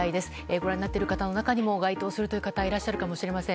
ご覧になっている方の中にも該当する方がいらっしゃるかもしれません。